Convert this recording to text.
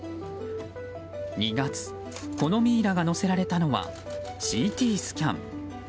２月、このミイラが乗せられたのはＣＴスキャン。